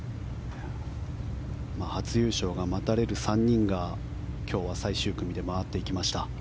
初優勝が待たれる３人が今日は最終組で回っていきました。